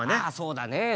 あそうだね